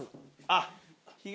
あっ！